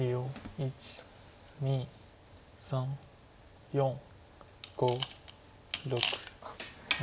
１２３４５６７。